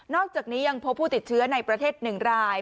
อกจากนี้ยังพบผู้ติดเชื้อในประเทศ๑ราย